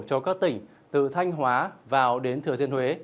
cho các tỉnh từ thanh hóa vào đến thừa thiên huế